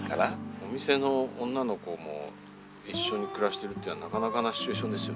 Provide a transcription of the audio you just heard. お店の女の子も一緒に暮らしてるってなかなかなシチュエーションですよね。